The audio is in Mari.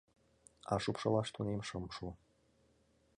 А шупшылаш тунем шым шу.